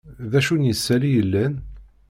D acu n yisali yellan?